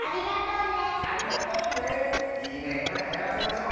いいねこれはやらせましょう！